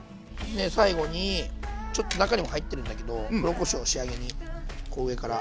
最後にちょっと中にも入ってるんだけど黒こしょう仕上げにこう上から。